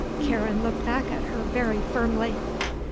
Karen looked back at her very firmly.